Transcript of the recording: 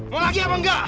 mau lagi apa enggak